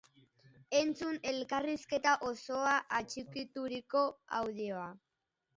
Entzun elkarrizketa osoa atxikituriko audioa!